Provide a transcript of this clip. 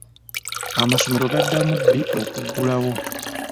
Amasomero gaddamu ddi okuggulawo?